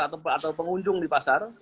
atau pengunjung di pasar